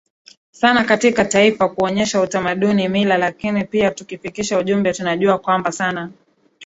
sana katika taifa kuonyesha utamaduni mila lakini pia kufikisha ujumbe Tunajua kwamba sana